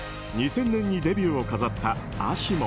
２０００年のデビューを飾ったＡＳＩＭＯ。